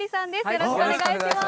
よろしくお願いします。